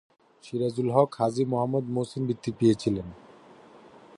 সিরাজুল হক হাজী মুহাম্মদ মহসিন বৃত্তি পেয়েছিলেন।